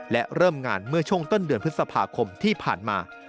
และเริ่มงานเมื่อช่วงต้นเดือนพฤษภาคมที่ผ่านมา